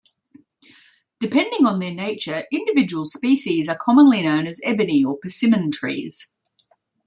Depending on their nature, individual species are commonly known as ebony or persimmon trees.